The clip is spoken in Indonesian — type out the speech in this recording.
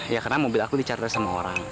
ya karena mobil aku dicari sama orang